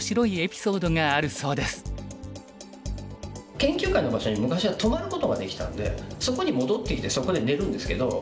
研究会の場所に昔は泊まることができたんでそこに戻ってきてそこで寝るんですけど。